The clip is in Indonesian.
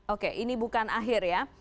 oke ini bukan akhir ya